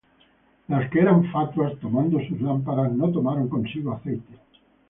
Las que eran fatuas, tomando sus lámparas, no tomaron consigo aceite;